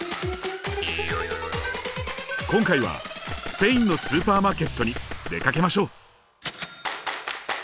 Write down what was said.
今回はスペインのスーパーマーケットに出かけましょう！